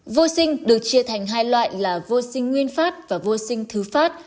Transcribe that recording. vô sinh được chia thành hai loại là vô sinh nguyên phát và vô sinh thứ phát